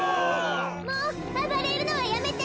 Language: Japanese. もうあばれるのはやめて！